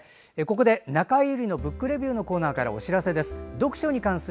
ここで「中江有里のブックレビュー」のコーナーからお知らせです。